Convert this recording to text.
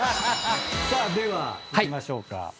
ではいきましょうか。